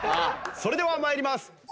それでは参ります。